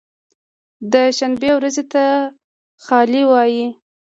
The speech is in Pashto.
د شنبې ورځې ته خالي وایی